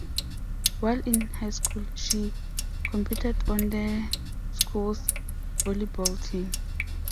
While in high school, she competed on the school's volleyball team.